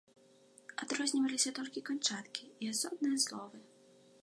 Адрозніваліся толькі канчаткі і асобныя словы.